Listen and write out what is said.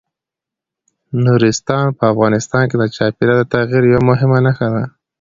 نورستان په افغانستان کې د چاپېریال د تغیر یوه مهمه نښه ده.